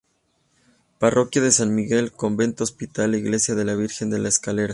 Parroquia de San Miguel, Convento-hospital e Iglesia de la virgen de La Escalera.